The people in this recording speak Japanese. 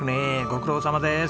ご苦労さまです。